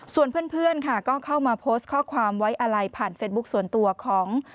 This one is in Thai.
ส่วนเพื่อนค่ะก็เข้ามาโพสต์ข้อความไว้อะไรผ่านเฟซบุ๊คส่วนตัวของ